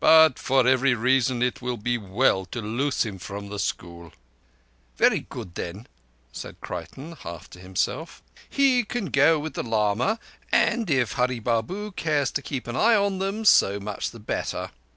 But for every reason it will be well to loose him from the school." "Very good, then," said Creighton, half to himself. "He can go with the lama, and if Hurree Babu cares to keep an eye on them so much the better.